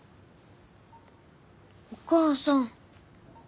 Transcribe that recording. お母さん！